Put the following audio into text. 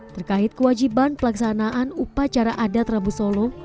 terkait kewajiban pelaksanaan upacara adat rabu solo